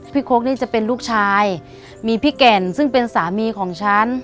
โค้กนี่จะเป็นลูกชายมีพี่แก่นซึ่งเป็นสามีของฉัน